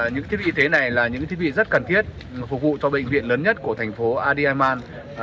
những thiết bị y tế này là những thiết bị rất cần thiết phục vụ cho bệnh viện lớn nhất của thành phố adiman